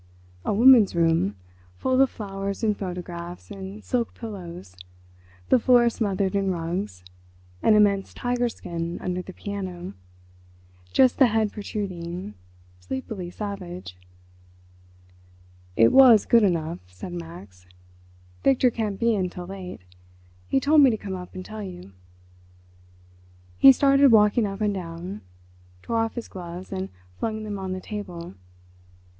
A woman's room—full of flowers and photographs and silk pillows—the floor smothered in rugs—an immense tiger skin under the piano—just the head protruding—sleepily savage. "It was good enough," said Max. "Victor can't be in till late. He told me to come up and tell you." He started walking up and down—tore off his gloves and flung them on the table.